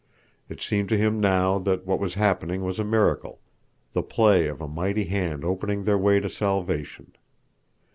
It seemed to him now that what was happening was a miracle, the play of a mighty hand opening their way to salvation.